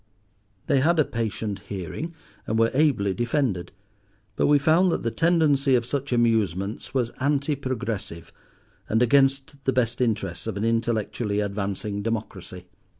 They had a patient hearing, and were ably defended; but we found that the tendency of such amusements was anti progressive, and against the best interests of an intellectually advancing democracy.